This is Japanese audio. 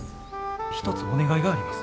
一つお願いがあります。